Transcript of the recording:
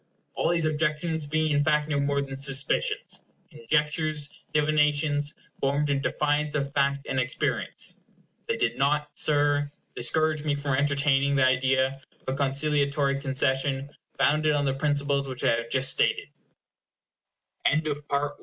All these objections being in fact no more than suspicions, conjectures, divinations, formed in defiance of fact and experience, they did not, Sir, discourage me from entertaining the idea of a conciliatory concession founded on the principles which I h